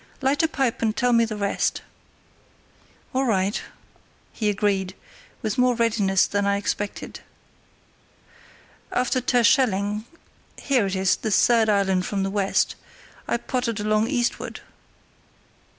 "Light a pipe and tell me the rest." "All right," he agreed, with more readiness than I expected. "After Terschelling—here it is, the third island from the west—I pottered along eastward."